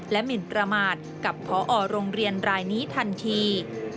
หมินประมาทกับพอโรงเรียนรายนี้ทันที